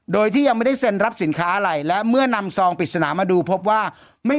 โดยที่ยังไม่ได้เซ็นรับสินค้าอะไร